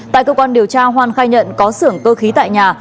tại cơ quan điều tra hoan khai nhận có xưởng cơ khí tại nhà